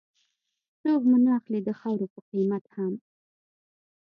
څوک مو نه اخلي د خاورو په قيمت هم